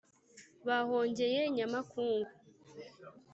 bahongeye nyamakungu.